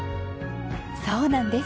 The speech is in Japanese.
そうなんです。